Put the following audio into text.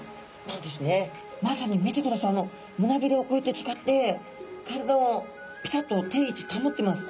まさに見てくださいむなびれをこうやって使って体をぴたっと定位置保ってます。